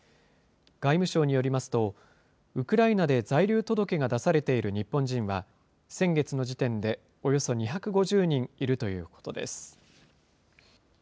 外務省によりますと、ウクライナで在留届が出されている日本人は、先月の時点でおよそ２５０人いるということです。